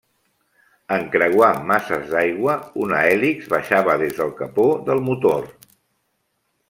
En creuar masses d'aigua, una hèlix baixava des del capot del motor.